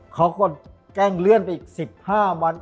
เขาก็แกล้งเลื่อนไปอีก๑๕วัน